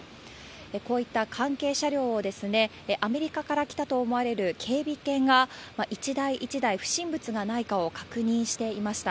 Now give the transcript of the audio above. こういった関係車両をアメリカから来たと思われる警備犬が一台一台、不審物がないかを確認していました。